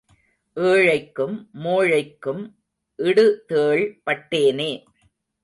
ஏழைக்கும் மோழைக்கும் இடுதேள் பட்டேனே.